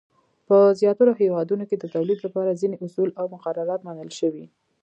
په زیاترو هېوادونو کې د تولید لپاره ځینې اصول او مقررات منل شوي.